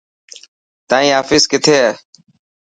تائن آفيس ڪٿي هي.